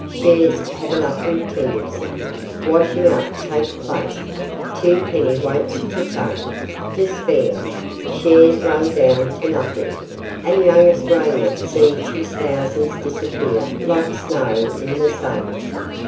Shares have an upward tendency; washing up takes place two pennyweights to ton. Despair! Shares run down to nothing, and Young Australia sees his thousands disappear like snow in the sun.